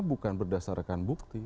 bukan berdasarkan bukti